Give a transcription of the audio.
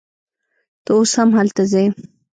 ته اوس هم هلته ځې